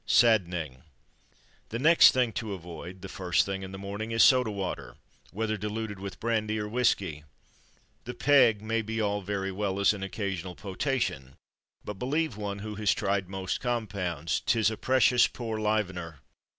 Saddening! The next thing to avoid, the first thing in the morning, is soda water, whether diluted with brandy or whisky. The "peg" may be all very well as an occasional potation, but, believe one who has tried most compounds, 'tis a precious poor "livener."